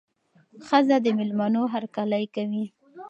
ښځه د مېلمنو هرکلی کوي.